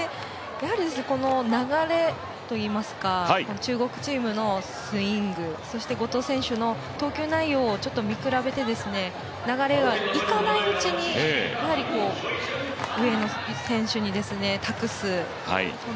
やはり流れといいますか中国チームのスイングそして後藤選手の投球内容をちょっと見比べて流れがいかないうちにやはり上野選手に託す。